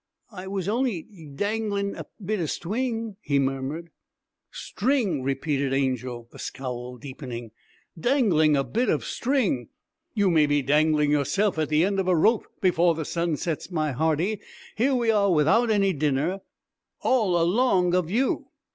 'I was on'y danglin' a bit o' stwing,' he murmured. 'String!' repeated Angel, the scowl deepening; 'dangling a bit of string! You may be dangling yourself at the end of a rope before the sun sets, my hearty! Here we are without any dinner, all along of you.